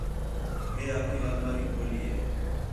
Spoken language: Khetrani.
مئے اپݨی اَلماری کھولی ہِے